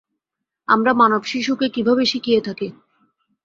আমরা মানব শিশুকে কিভাবে শিখিয়ে থাকি?